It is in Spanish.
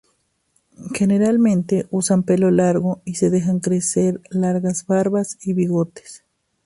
Generalmente usan pelo largo y se dejan crecer largas barbas y bigotes.